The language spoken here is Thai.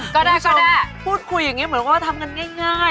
ก็ได้ก็ได้คุณผู้ชมพูดคุยอย่างงี้เหมือนว่าทำกันง่ายง่าย